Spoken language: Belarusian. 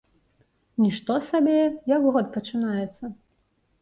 Нішто сабе, як год пачынаецца!